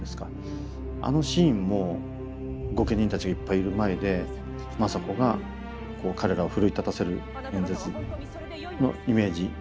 あのシーンも御家人たちがいっぱいいる前で政子がこう彼らを奮い立たせる演説のイメージ。